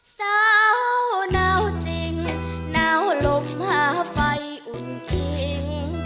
เศร้าเหนาจริงเหนาลมหาไฟอุ่นอิ่ง